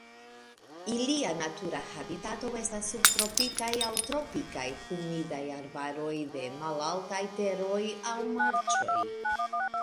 Ilia natura habitato estas subtropikaj aŭ tropikaj humidaj arbaroj de malaltaj teroj aŭ marĉoj.